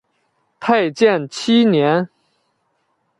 太建七年。